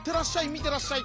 みてらっしゃい。